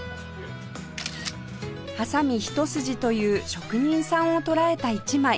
はさみ一筋という職人さんを捉えた一枚